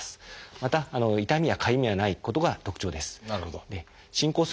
また痛みやかゆみがないことが特徴です。